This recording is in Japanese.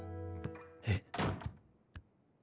えっ。